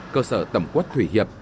cơ sở tẩm quất thủy hiệp